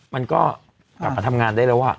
มันก็กลับมาทำงานได้แล้ว